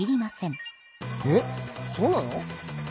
えっそうなの？